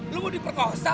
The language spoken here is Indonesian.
lu mau diperkosa